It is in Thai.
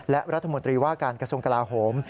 และรัฐมนตรีว่าการกสงกราโหม